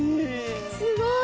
すごい！